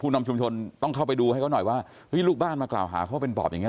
นำชุมชนต้องเข้าไปดูให้เขาหน่อยว่าเฮ้ยลูกบ้านมากล่าวหาเขาว่าเป็นปอบอย่างนี้